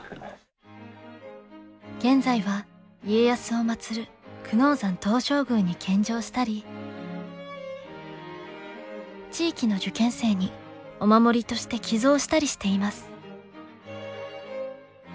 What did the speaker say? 現在は家康をまつる久能山東照宮に献上したり地域の受験生にお守りとして寄贈したりしています。